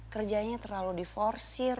kerjanya terlalu di forseer